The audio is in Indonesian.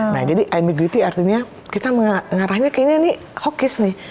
nah jadi imigrity artinya kita mengarahnya kayaknya ini hawkish nih